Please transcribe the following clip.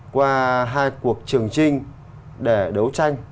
qua hai cuộc trường trinh để đấu tranh